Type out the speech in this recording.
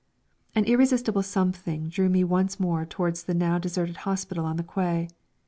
An irresistible something drew me once more towards the now deserted hospital on the quay.